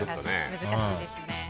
難しいですね。